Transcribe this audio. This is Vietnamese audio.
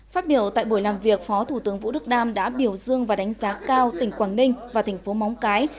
phát biểu tại buổi làm việc phó thủ tướng vũ đức đam đã biểu dương và đánh giá cao tỉnh quảng ninh và thành phố móng cái